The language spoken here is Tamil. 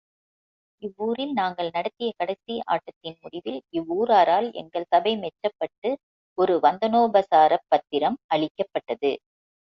இவ்வூரில் நாங்கள் நடத்திய கடைசி ஆட்டத்தின் முடிவில் இவ்வூராரால் எங்கள் சபை மெச்சப்பட்டு ஒரு வந்தனோபசாரப் பத்திரம் அளிக்கப்பட்டது.